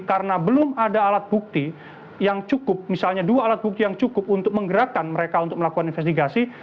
karena belum ada alat bukti yang cukup misalnya dua alat bukti yang cukup untuk menggerakkan mereka untuk melakukan investigasi